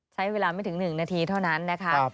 ใช้เวลาไม่ถึง๑นาทีเท่านั้นนะคะ